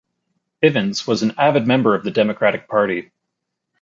Ivins was an avid member of the Democratic Party.